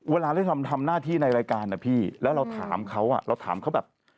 เวลาเราทำหน้าที่ในรายการนะพี่แล้วเราถามเขาอ่ะเราถามเขาแบบ